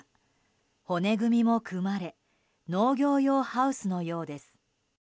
骨組みも組まれ農業用ハウスのようです。